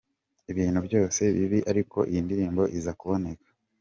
Ibintu byose bibi ariko iyi ndirimbo iza kuboneka.